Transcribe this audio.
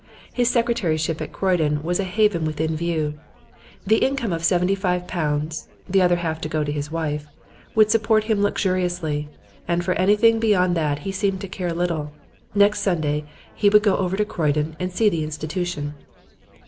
His secretaryship at Croydon was a haven within view; the income of seventy five pounds (the other half to go to his wife) would support him luxuriously, and for anything beyond that he seemed to care little. Next Sunday he was to go over to Croydon and see the institution.